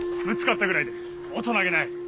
ぶつかったぐらいで大人気ない。